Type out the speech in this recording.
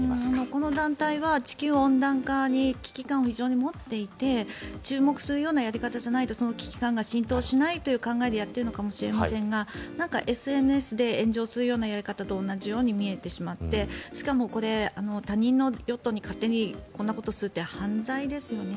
この団体は地球温暖化に危機感を非常に持っていて注目するようなやり方じゃないとその危機感が浸透しないというような考えでやっているのかもしれませんがＳＮＳで炎上するようなやり方と同じように見えてしまってしかもこれ、他人のヨットに勝手にこんなことするって犯罪ですよね。